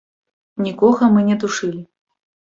Нікога мы не душылі.